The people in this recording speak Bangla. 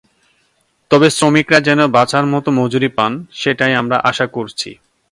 তবে শ্রমিকেরা যেন বাঁচার মতো মজুরি পান, সেটাই আমরা আশা করছি।